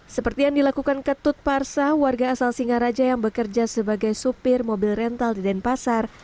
seperti yang dilakukan ketut parsa warga asal singaraja yang bekerja sebagai supir mobil rental di denpasar